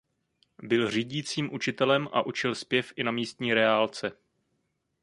Byl řídícím učitelem a učil zpěv i na místní reálce.